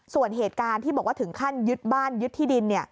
ส่วนเหตุการณ์ที่บอกว่าถึงขั้นยึดบ้านยึดที่ดิน